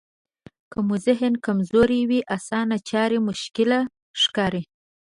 که مو ذهن کمزوری وي اسانه چارې مشکله ښکاري.